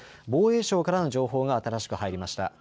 防衛省からの情報が新しく入りました。